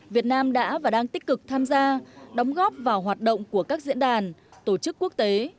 việt nam đã và đang tích cực tham gia đóng góp vào hoạt động của các diễn đàn tổ chức quốc tế